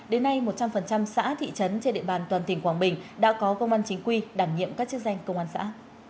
đến nay một trăm linh xã thị trấn trên địa bàn toàn tỉnh quảng bình đã có công an chính quy đảm nhiệm các chức danh công an xã